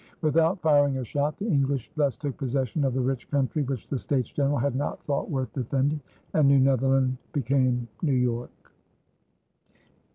Without firing a shot the English thus took possession of the rich country which the States General had not thought worth defending, and New Netherland became New York.